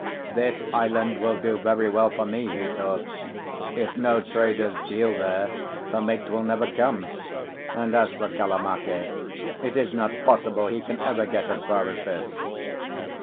"This island will do very well for me," he thought; "if no traders deal there, the mate will never come. And as for Kalamake, it is not possible he can ever get as far as this."